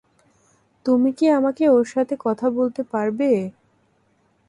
তুমি কি আমাকে ওর সাথে কথা বলতে পারবে?